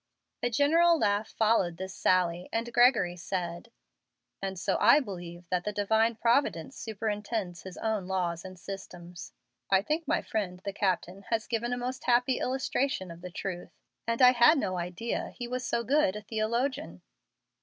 A general laugh followed this sally, and Gregory said: "And so I believe that the Divine Providence superintends His own laws and system. I think my friend the captain has given a most happy illustration of the truth, and I had no idea he was so good a theologian."